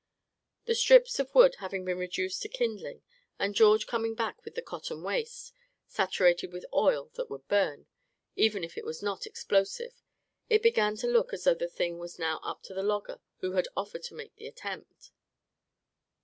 The strips of wood having been reduced to kindling, and George coming back with the cotton waste, saturated with oil that would burn, even if it was not explosive, it began to look as though the thing was now up to the logger who had offered to make the attempt.